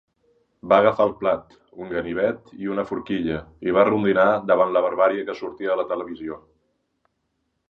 Va agafar el plat, un ganivet i una forquilla, i va rondinar davant la barbàrie que sortia a la televisió.